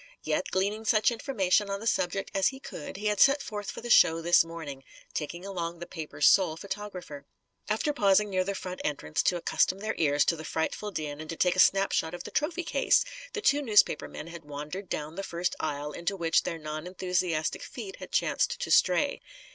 Yet, gleaning such information on the subject as he could, he had set forth for the show this morning; taking along the paper's sole photographer. After pausing near the front entrance to accustom their ears to the frightful din and to take a snapshot of the trophy case, the two newspaper men had wandered down the first aisle into which their non enthusiastic feet had chanced to stray.